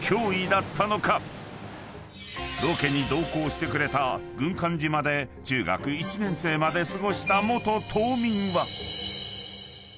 ［ロケに同行してくれた軍艦島で中学１年生まで過ごした元島民は］